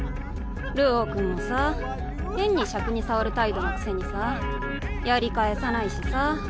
流鶯君もさ変にしゃくに障る態度のくせにさやり返さないしさ。